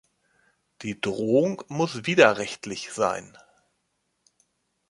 Die Drohung muss widerrechtlich sein.